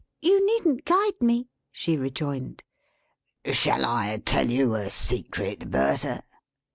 You needn't guide me!" she rejoined. "Shall I tell you a secret, Bertha?"